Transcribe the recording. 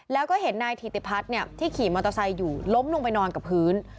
แล้วก็เห็นนายถิติพัฒน์ที่ขี่มอเตอร์ไซค์อยู่ล้มลงไปนอนกับพื้น